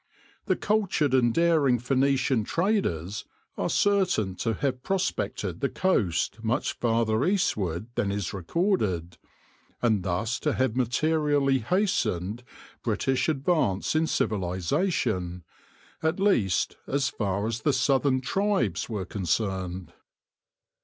The cultured and daring Phoenician traders are certain to have prospected the coast much farther eastward than is recorded, and thus to have materially hastened British ad vance in civilisation— at least, as far as the southern tribes were concerned.